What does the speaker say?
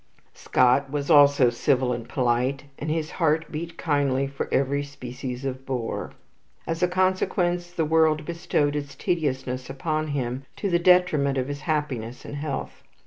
Scott was also civil and polite, and his heart beat kindly for every species of bore. As a consequence, the world bestowed its tediousness upon him, to the detriment of his happiness and health.